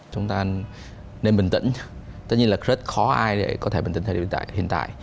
chúng ta nên bình tĩnh tất nhiên là rất khó ai để có thể bình tĩnh thời điểm tại hiện tại